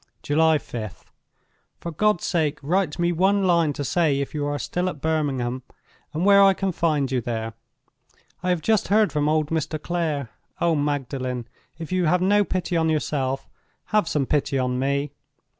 "July 5th. "For God's sake, write me one line to say if you are still at Birmingham, and where I can find you there! I have just heard from old Mr. Clare. Oh, Magdalen, if you have no pity on yourself, have some pity on me!